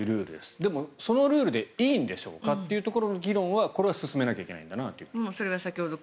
でもそのルールでいいんでしょうかというところの議論はこれは進めなきゃいけないんだなと。